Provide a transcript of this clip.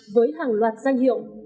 với hàng loạt danh hiệu